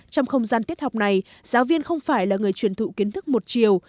trong không gian tiết học này giáo viên không phải là người truyền thụ kiến thức một chiều